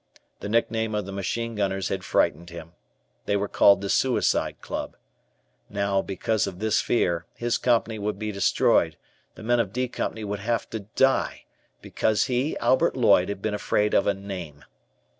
The nickname of the machine gunners had frightened him. They were called the "Suicide Club." Now, because of this fear, his Company would be destroyed, the men of "D" Company would have to die, because he, Albert Lloyd, had been afraid of a name.